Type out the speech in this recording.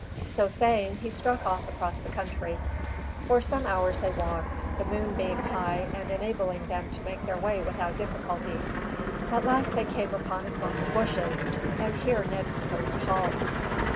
So saying, he struck off across the country. For some hours they walked, the moon being high and enabling them to make their way without difficulty. At last they came upon a clump of bushes, and here Ned proposed a halt.